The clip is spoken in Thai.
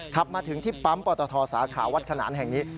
ขับมาถึงที่ปั๊มปตทสาขาวัดขนานแห่งนี้